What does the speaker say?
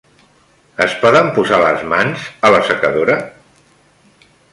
Es poden posar les mans a l'assecadora?